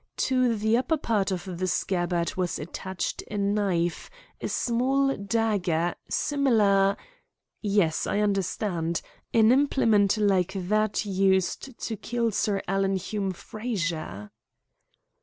To the upper part of the scabbard was attached a knife a small dagger similar " "Yes, I understand. An implement like that used to kill Sir Alan Hume Frazer."